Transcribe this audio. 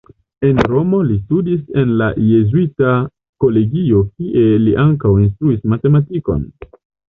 En Romo li studis en la jezuita kolegio kie li ankaŭ instruis matematikon.